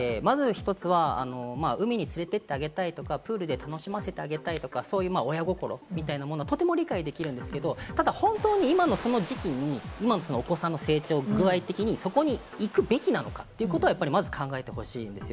まず１つは海に連れてってあげたいとか、プールで楽しませてあげたいとか、そういう親心みたいなものはとても理解できるんですけど、今のその時期にお子さんの成長具合的に、そこに行くべきなのか？ということはまず考えてほしいです。